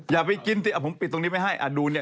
อย่าไปกินสิผมปิดตรงนี้ไว้ให้ดูเนี่ย